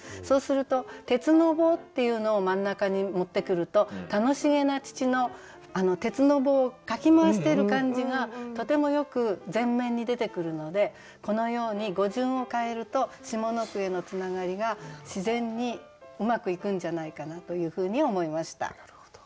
そうすると「鉄の棒」っていうのを真ん中に持ってくると楽しげな父の鉄の棒かき回してる感じがとてもよく前面に出てくるのでこのように語順を変えると下の句へのつながりが自然にうまくいくんじゃないかなというふうに思いました。